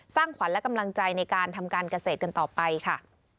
ขวัญและกำลังใจในการทำการเกษตรกันต่อไปค่ะ